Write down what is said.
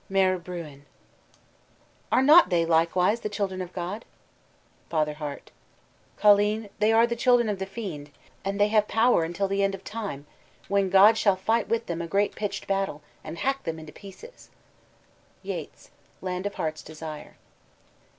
"Maire Bruin: Are not they, likewise, the children of God? Father Hart: Colleen, they are the children of the fiend, And they have power until the end of Time, When God shall fight with them a great pitched battle And hack them into pieces." YEATS: _Land of Heart's Desire.